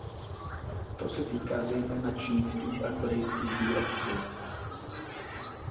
To se týká zejména čínských a korejských výrobců.